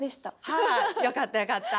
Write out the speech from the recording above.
はいよかったよかった。